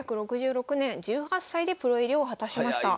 １９６６年１８歳でプロ入りを果たしました。